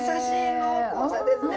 そうですね。